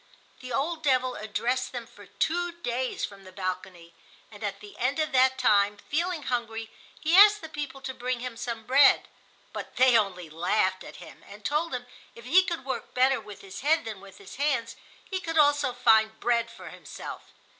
The old devil addressed them for two days from the balcony, and at the end of that time, feeling hungry, he asked the people to bring him some bread. But they only laughed at him and told him if he could work better with his head than with his hands he could also find bread for himself.